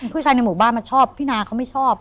ผู้ชายในหมู่บ้านมันชอบพี่นาเขาไม่ชอบ